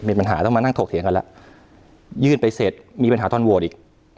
ปัญหาต้องมานั่งถกเถียงกันแล้วยื่นไปเสร็จมีปัญหาทอนโหวตอีก